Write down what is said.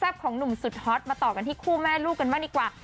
ผู้ชมกว่าต่อกันที่คู่แม่ลูกได้ป่ะดีกว่า